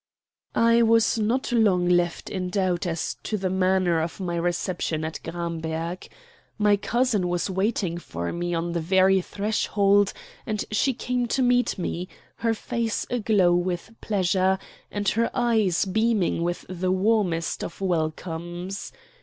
I was not long left in doubt as to the manner of my reception at Gramberg. My cousin was waiting for me on the very threshold, and she came to meet me, her face aglow with pleasure, and her eyes beaming with the warmest of welcomes.